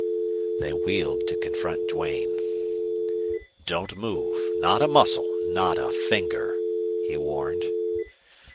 They wheeled to confront Duane. "Don't move! Not a muscle! Not a finger!" he warned.